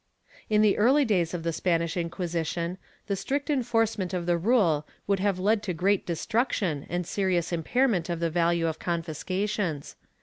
In the early days of the Spanish Inquisition, the strict enforce ment of the rule would have led to great destruction and serious impairment of the value of confiscations.